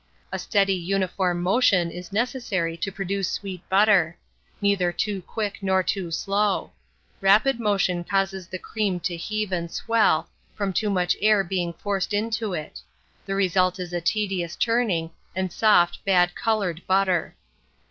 A steady uniform motion is necessary to produce sweet butter; neither too quick nor too slow. Rapid motion causes the cream to heave and swell, from too much air being forced into it: the result is a tedious churning, and soft, bad coloured butter.